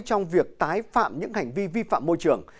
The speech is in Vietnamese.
trong việc tái phạm những hành vi vi phạm môi trường